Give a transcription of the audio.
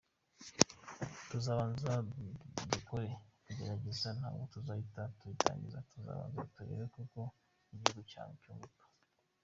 Tuzabanza dukore igerageza, ntabwo tuzahita tubitangiza, tuzabanza turebe koko uko igihugu cyunguka.